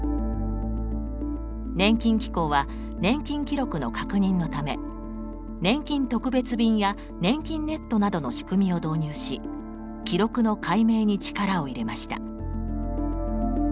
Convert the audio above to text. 年金機構は年金記録の確認のためねんきん特別便やねんきんネットなどの仕組みを導入し記録の解明に力を入れました。